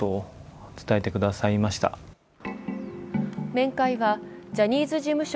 面会はジャニーズ事務所